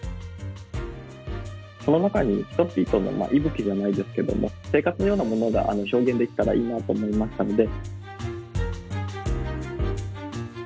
その中に人々の息吹じゃないですけども生活のようなものが表現できたらいいなと思いましたので。